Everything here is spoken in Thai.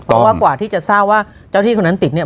เพราะว่ากว่าที่จะทราบว่าเจ้าที่คนนั้นติดเนี่ย